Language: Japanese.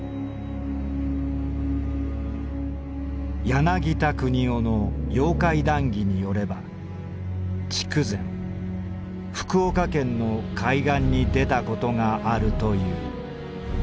「柳田国男の『妖怪談義』によれば筑前福岡県の海岸に出たことがあるという。